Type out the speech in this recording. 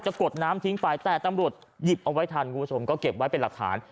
กดน้ำทิ้งไปแต่ตำรวจหยิบเอาไว้ทันคุณผู้ชมก็เก็บไว้เป็นหลักฐาน